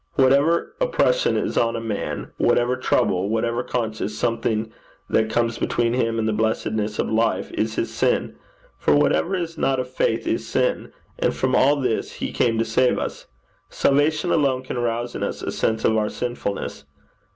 Whatever oppression is on a man, whatever trouble, whatever conscious something that comes between him and the blessedness of life, is his sin; for whatever is not of faith is sin; and from all this He came to save us. Salvation alone can rouse in us a sense of our sinfulness.